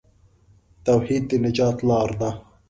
توحید د نجات لار ده.